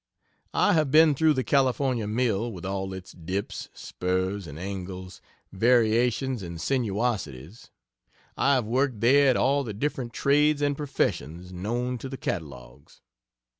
I have been through the California mill, with all its "dips, spurs and angles, variations and sinuosities." I have worked there at all the different trades and professions known to the catalogues.